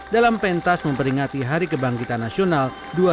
dalam pentas memperingati hari kebangkitan nasional dua ribu dua puluh